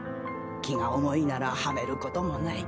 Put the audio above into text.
気が重いならはめることもない。